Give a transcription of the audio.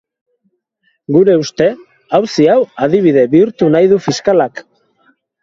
Gure uste, auzi hau adibide bihurtu nahi du fiskalak.